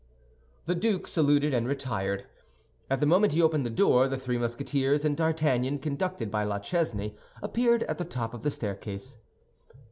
The Duke saluted and retired. At the moment he opened the door, the three Musketeers and D'Artagnan, conducted by La Chesnaye, appeared at the top of the staircase.